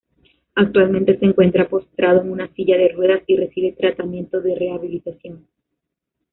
Actualmente se encuentra postrado en una silla de ruedas y recibe tratamiento de rehabilitación.